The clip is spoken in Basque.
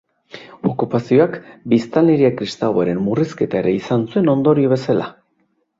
Okupazioak biztanleria kristauaren murrizketa ere izan zuen ondorio bezala.